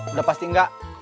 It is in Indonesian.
udah pasti enggak